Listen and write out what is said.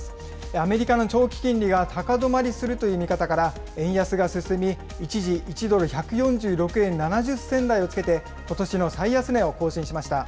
アメリカの長期金利が高止まりするという見方から、円安が進み、一時、１ドル１４６円７０銭台をつけて、ことしの最安値を更新しました。